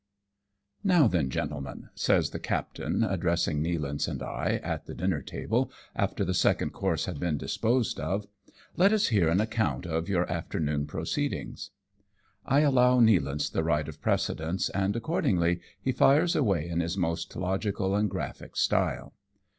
"Now then, gentlemen/' says the captain, addressing Nealance and I at the dinner table^ after the second course had been disposed of, " let us hear an account of your afternoon proceedings." I allow Nealance the right of precedence, and accordingly he fires away in his most logical and graphic style.